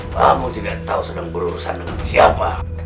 kamu juga tahu sedang berurusan dengan siapa